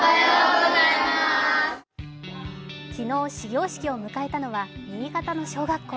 昨日始業式を迎えたのは新潟の小学校。